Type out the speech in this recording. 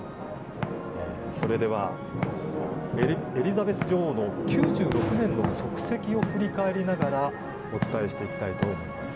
エリザベス女王の９６年の足跡を振り返りながらお伝えしていきたいと思います。